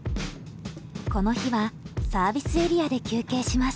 この日はサービスエリアで休憩します。